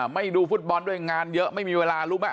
ไม่ดูฟุตบอลด้วยงานเยอะไม่มีเวลารู้ไหม